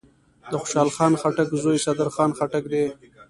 دخوشحال خان خټک زوی صدرخان خټک دﺉ.